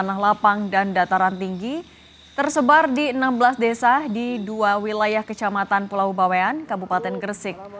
tanah lapang dan dataran tinggi tersebar di enam belas desa di dua wilayah kecamatan pulau bawean kabupaten gresik